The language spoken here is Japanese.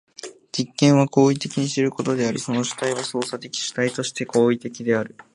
実験は行為的に知ることであり、その主体は操作的主体として行為的である。